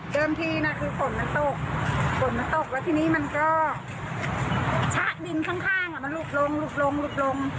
เดิมทีคือฝนมันตกฝนมันตกแล้วทีนี้มันก็ชะดินข้างลุกลง